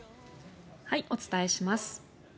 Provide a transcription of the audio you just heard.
お伝えします。